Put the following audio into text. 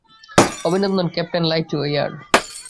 অভিনন্দন, captain Lightyear.